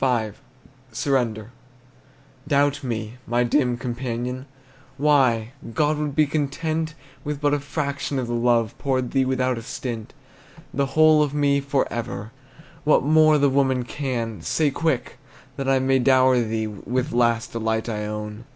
V. SURRENDER. Doubt me, my dim companion! Why, God would be content With but a fraction of the love Poured thee without a stint. The whole of me, forever, What more the woman can, Say quick, that I may dower thee With last delight I own!